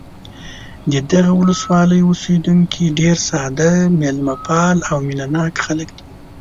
د دغه ولسوالۍ اوسېدونکي ډېر ساده، مېلمه پال او مینه ناک خلک دي.